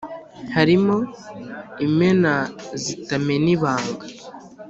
Harimo imena zitamena ibanga